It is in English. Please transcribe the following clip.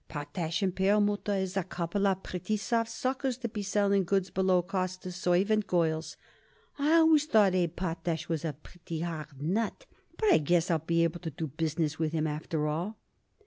"Potash & Perlmutter is a couple of pretty soft suckers, to be selling goods below cost to servant girls. I always thought Abe Potash was a pretty hard nut, but I guess I'll be able to do business with 'em, after all."